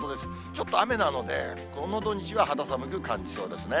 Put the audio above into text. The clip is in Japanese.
ちょっと雨なので、この土日は肌寒く感じそうですね。